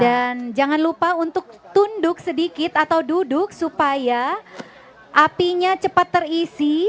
dan jangan lupa untuk tunduk sedikit atau duduk supaya apinya cepat terisi